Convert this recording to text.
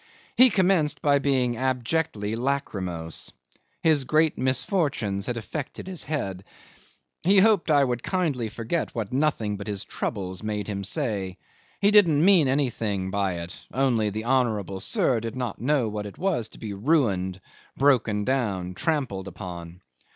He commenced by being abjectly lachrymose. His great misfortunes had affected his head. He hoped I would kindly forget what nothing but his troubles made him say. He didn't mean anything by it; only the honourable sir did not know what it was to be ruined, broken down, trampled upon.